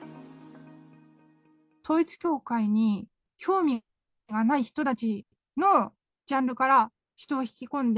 統一教会に興味がない人たちのジャンルから人を引き込んで、